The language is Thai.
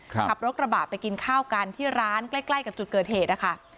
ขับรถกระบะไปกินข้าวกันที่ร้านใกล้ใกล้กับจุดเกิดเหตุนะคะ